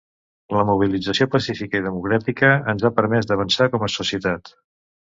La mobilització pacífica i democràtica ens ha permès d’avançar com a societat.